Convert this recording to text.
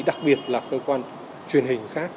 đặc biệt là cơ quan truyền hình khác